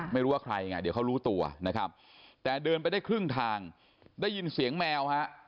ไม่รู้ว่าใครไงเดี๋ยวเขารู้ตัวนะครับแต่เดินไปได้ครึ่งทางได้ยินเสียงแมวฮะ